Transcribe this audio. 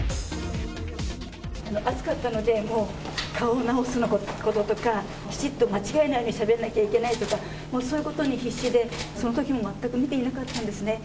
暑かったので、もう顔を直すこととか、きちっと間違いないようにしゃべらなければいけないとか、そういうことに必死で、そのときも全く見ていなかったんですね。